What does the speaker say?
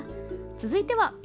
続いては。